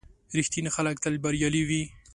• رښتیني خلک تل بریالي وي.